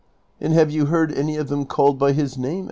"And have you heard any of them called by his name?"